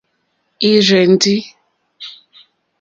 Ì rzɛ́ndī.